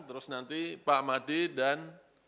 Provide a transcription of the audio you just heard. terus nanti pak madi dan